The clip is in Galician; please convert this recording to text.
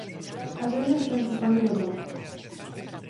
As nenas están xogando no patio.